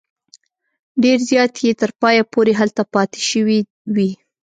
ډېر زیات یې تر پایه پورې هلته پاته شوي وي.